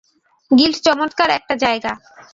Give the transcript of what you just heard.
Guild চমৎকার একটা জায়গা।